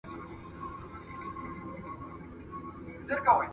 د زکات فریضه د فقیرانو حق دی.